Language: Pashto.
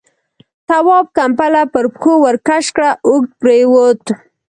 تواب ، کمپله پر پښو ورکش کړه، اوږد پرېووت.